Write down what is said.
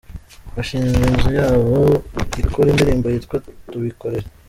bashinze Inzu yabo ikora Indirimbo Yitwa Tuwikorere